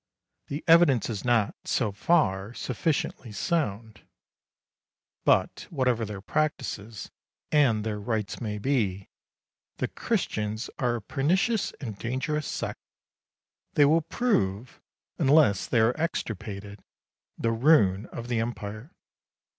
The evidence is not so far sufficiently sound; but, whatever their practices and their rites may be, the Christians are a pernicious and dangerous sect. They will prove, unless they are extirpated, the ruin of the Empire.